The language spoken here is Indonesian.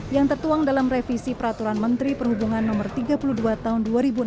yang tertuang dalam revisi peraturan menteri perhubungan no tiga puluh dua tahun dua ribu enam belas